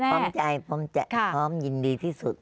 พร้อมใจพร้อมจะพร้อมยินดีที่สุด